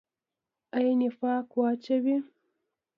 آیا نفاق واچوي؟